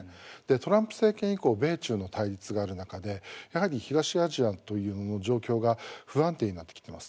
トランプ政権以降米中の対立がある中でやはり東アジアという状況が不安定になってきています。